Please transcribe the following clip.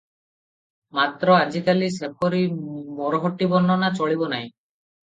ମାତ୍ର, ଆଜିକାଲି ସେପରି ମରହଟ୍ଟୀ ବର୍ଣ୍ଣନା ଚଳିବ ନାହିଁ ।